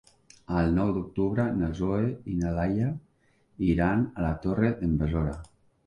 El nou d'octubre na Zoè i na Laia iran a la Torre d'en Besora.